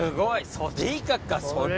ソデイカか。